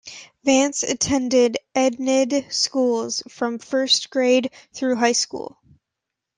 Vance attended Enid schools from first grade through high school.